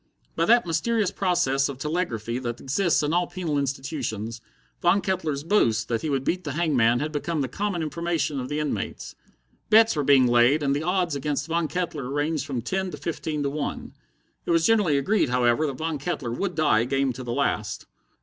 By that mysterious process of telegraphy that exists in all penal institutions, Von Kettler's boast that he would beat the hangman had become the common information of the inmates. Bets were being laid, and the odds against Von Kettler ranged from ten to fifteen to one. It was generally agreed, however, that Von Kettler would die game to the last.